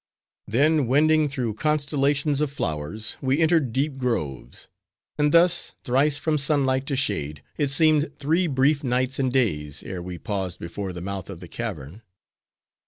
Then wending through constellations of flowers, we entered deep groves. And thus, thrice from sun light to shade, it seemed three brief nights and days, ere we paused before the mouth of the cavern.